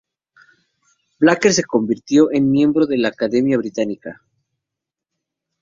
Blacker se convirtió en miembro de la Academia Británica.